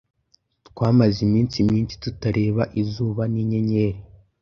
twamaze iminsi myinshi tutareba izuba n’inyenyeri,